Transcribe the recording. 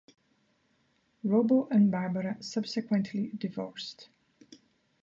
Robo and Barbara subsequently divorced.